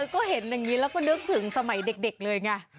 ก็เห็นอย่างนี้แล้วก็นึกถึงสมัยเด็กเลยไง